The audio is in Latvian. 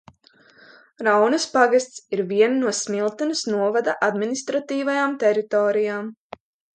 Raunas pagasts ir viena no Smiltenes novada administratīvajām teritorijām.